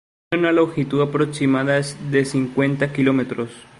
Tiene una longitud aproximada de cincuenta kilómetros.